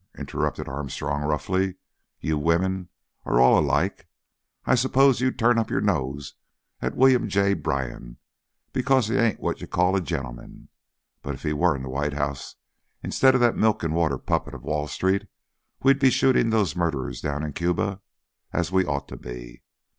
interrupted Armstrong, roughly. "You women are all alike. I suppose you'd turn up your nose at William J. Bryan because he ain't what you call a gentleman. But if he were in the White House instead of that milk and water puppet of Wall Street, we'd be shooting those murderers down in Cuba as we ought to be.